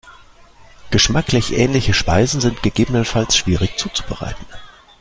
Geschmacklich ähnliche Speisen sind gegebenenfalls schwierig zuzubereiten.